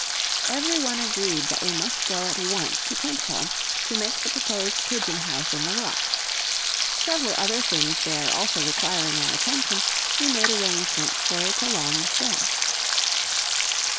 Every one agreed that we must go at once to Tentholm, to make the proposed pigeon house in the rock. Several other things there also requiring our attention, we made arrangements for a prolonged stay.